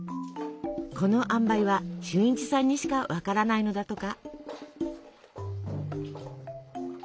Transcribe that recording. このあんばいは俊一さんにしか分からないのだとか。